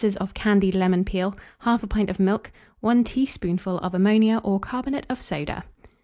of candied lemon peel, 1/2 pint of milk, 1 teaspoonful of ammonia or carbonate of soda.